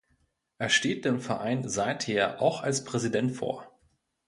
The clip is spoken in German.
Er steht dem Verein seither auch als Präsident vor.